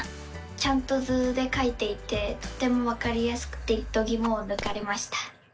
ちゃんと図でかいていてとてもわかりやすくてどぎもをぬかれました！